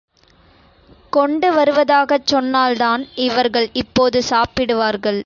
கொண்டு வருவதாகச் சொன்னால்தான் இவர்கள் இப்போது சாப்பிடுவார்கள்.